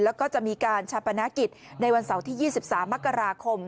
แล้วก็จะมีการชาปนกิจในวันเสาร์ที่๒๓มกราคม